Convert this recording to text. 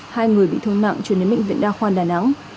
hai người bị thương nặng chuyển đến bệnh viện đa khoa đà nẵng